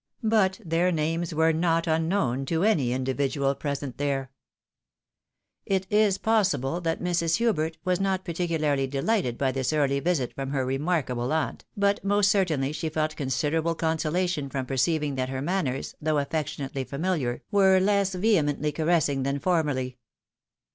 But their names were not unknown to any individual there. It is possible that Mrs. Hubert was not particularly delighted by this early visit from her remarkable aunt, but most certainly she felt considerable consolation from perceiving that hermanners, though affectionately familiar, were less vehemently caressing 310 TUE WIDOW MARRIED. than formerly.